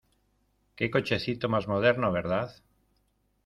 Qué cochecito más moderno, ¿verdad?